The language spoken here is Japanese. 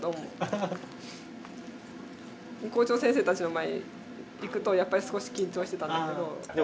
校長先生たちの前に行くとやっぱり少し緊張してたんだけど。